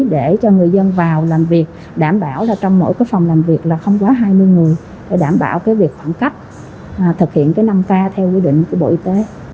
để cho người dân vào làm việc đảm bảo là trong mỗi phòng làm việc là không quá hai mươi người để đảm bảo cái việc khoảng cách thực hiện cái năm k theo quy định của bộ y tế